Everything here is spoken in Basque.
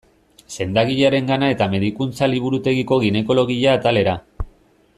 Sendagilearenera eta medikuntza-liburutegiko ginekologia atalera.